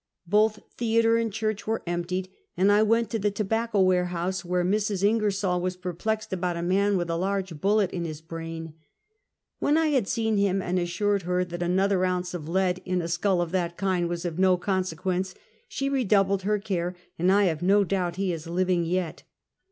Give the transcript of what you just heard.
Both theater and church were emptied, and I went to the tobacco ware house, where Mrs. Ingersol was perplexed about a man with a large bullet in his brain, "When I had seen him and assured her that another ounce of lead in a skull of that kind was of no consequence, she re doubled her care, and 1 have no doubt he is living yet.